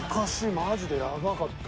マジでやばかった。